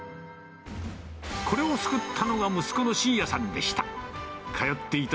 これを救ったのが息子の真也さんでした。